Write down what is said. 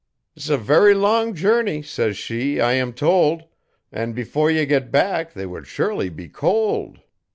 ''S a very long journey,' says she, 'I am told, An' before ye got back, they would surely be cold.'